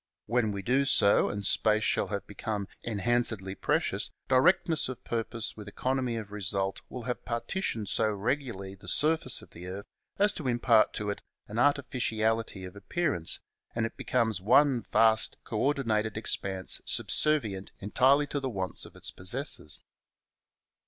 When we do so, and space shall have become enhancedly precious, directness of purpose with economy of result will have partitioned so regularly the surface of the earth as to impart to it an artificiality of appearance, and it becomes one vast coordinated expanse subservient entirely to 364 MAES AND ITS CANALS CHAP, xxx the wants of its possessors.